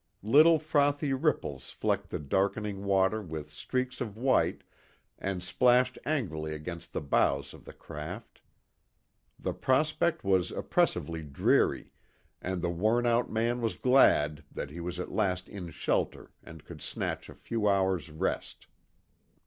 Little frothy ripples flecked the darkening water with streaks of white and splashed angrily against the bows of the craft. The prospect was oppressively dreary, and the worn out man was glad that he was at last in shelter and could snatch a few hours' rest.